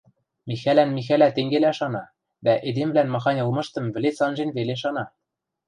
Михӓлӓн Михӓлӓ тенгелӓ шана, дӓ эдемвлӓн махань ылмыштым вӹлец анжен веле шана.